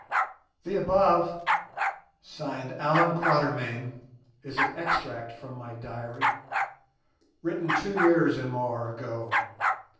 The above, signed "Allan Quatermain", is an extract from my diary written two years and more ago.